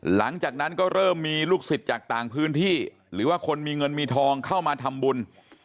หลังจากนั้นก็เริ่มมีลูกศิษย์จากต่างพื้นที่หรือว่าคนมีเงินมีทองเข้ามาทำบุญ